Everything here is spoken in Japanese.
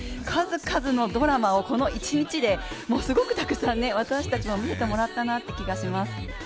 数々のドラマをこの一日でもうすごくたくさん私たちもみせてもらったなと思います。